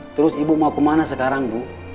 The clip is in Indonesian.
terus ibu mau kemana sekarang bu